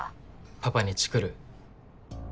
パパにチクる？